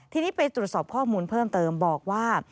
ทีนี้ไปตรวจสอบข้อมูลเพิ่มเติมบอกว่า